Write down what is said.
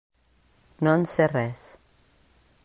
No en sé res.